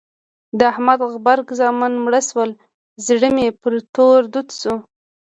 د احمد غبرګ زامن مړه شول؛ زړه مې پر تور دود شو.